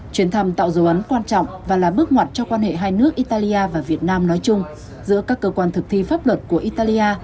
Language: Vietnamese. chuyến thăm tạo dấu ấn quan trọng và là bước ngoặt cho quan hệ hai nước italia và việt nam nói chung giữa các cơ quan thực thi pháp luật của italia